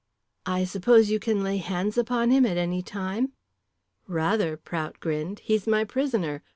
"I suppose you can lay hands upon him at any time?" "Rather!" Prout grinned. "He's my prisoner.